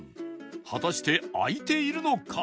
果たして開いているのか？